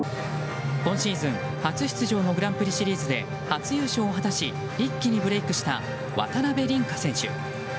今シーズン初出場のグランプリシリーズで初優勝を果たし一気にブレークした渡辺倫果選手。